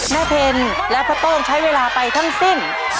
แม่เพลนและพะโต้งใช้เวลาไปทั้งสิ้น